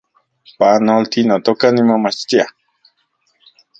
Panolti, notoka, nimomachtia